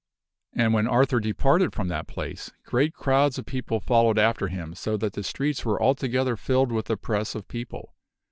And when Arthur departed from that place, great crowds of people fol lowed after him so that the streets were altogether filled with the press of people.